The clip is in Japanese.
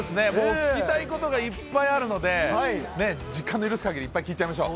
聞きたいことがいっぱいあるので、時間の許すかぎりいっぱい聞いちゃいましょう。